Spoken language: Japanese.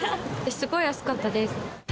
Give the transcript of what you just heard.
すごい安かったです。